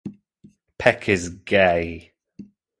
Peck is gay.